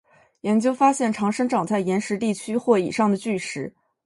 研究发现常生长在岩石地区或以上的巨石。